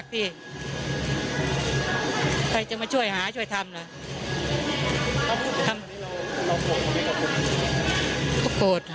ใครจะมาช่วยหาช่วยทำล่ะ